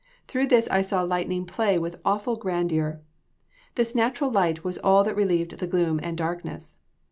Through this I saw the lightning play with awful grandeur. This natural light was all that relieved the gloom and darkness.